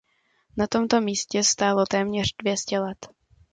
Na tomto místě stálo téměř dvě stě let.